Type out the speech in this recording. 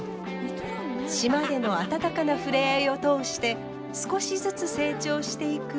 島での温かな触れ合いを通して少しずつ成長していく舞。